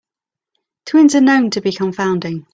Twins are known to be confounding.